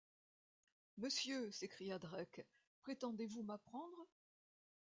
Monsieur, s’écria Drake, prétendez-vous m’apprendre?...